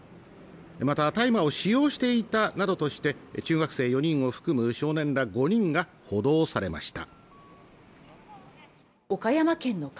また大麻を使用していたなどとして中学生４人を含む少年ら５人が補導されました